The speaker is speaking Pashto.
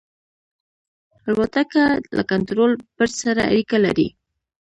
الوتکه له کنټرول برج سره اړیکه لري.